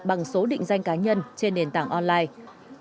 bằng số định danh cá nhân trên nền tảng online